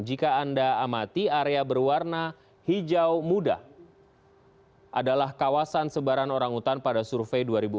jika anda amati area berwarna hijau muda adalah kawasan sebaran orangutan pada survei dua ribu empat belas